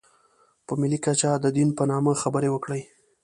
په ملي کچه د دین په نامه خبرې وکړي.